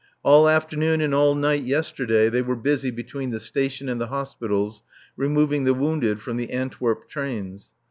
All afternoon and all night yesterday they were busy between the Station and the hospitals removing the wounded from the Antwerp trains.